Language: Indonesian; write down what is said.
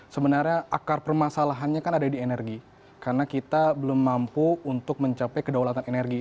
sebenarnya akar permasalahannya kan ada di energi karena kita belum mampu untuk mencapai kedaulatan energi